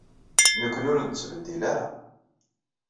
Nekkni ur nettbeddil ara.